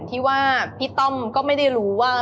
ที่ว่าพี่ต้อมก็ไม่ได้รู้ว่า